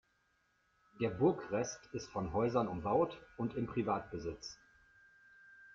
Der Burgrest ist von Häusern umbaut und im Privatbesitz.